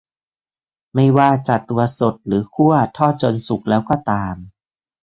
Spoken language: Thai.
ไม่ว่าจะตัวสด หรือ คั่ว ทอดจนสุกแล้วก็ตาม